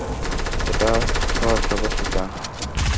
এটা সহস্রবর্ষী চা!